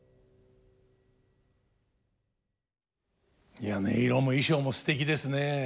いや音色も衣装もすてきですね。